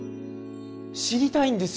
知りたいんですよ